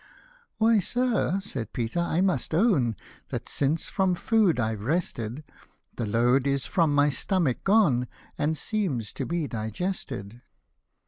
" Why, sir," said Peter, " I must own That, since from food I've rested, The load is from my stomach gone, And seems to be digested."